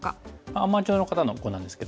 アマチュアの方の碁なんですけども。